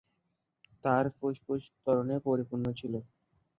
তার ফুসফুস তরলে পরিপূর্ণ ছিল।